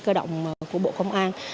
cơ động của bộ công an